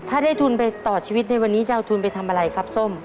ถ้าได้ทุนไปต่อชีวิตในวันนี้จะเอาทุนไปทำอะไรครับส้ม